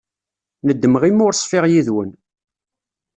Nedmeɣ imi ur ṣfiɣ yid-wen.